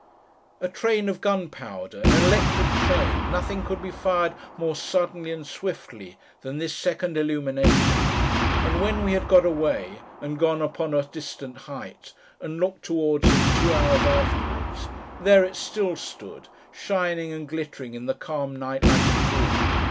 A train of gunpowder, an electric chain—nothing could be fired, more suddenly and swiftly, than this second illumination; and when we had got away, and gone upon a distant height, and looked towards it two hours afterwards, there it still stood, shining and glittering in the calm night like a jewel!